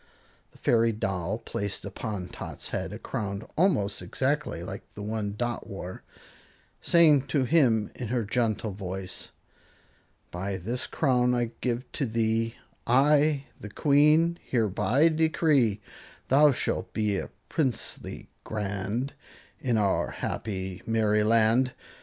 The fairy doll placed upon Tot's head a crown almost exactly like the one Dot wore, saying to him in her gentle voice: By this crown I give to thee, I, the Queen, hereby decree, Thou shalt be a princeling grand In our happy Merryland.